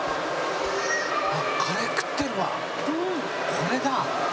これだ！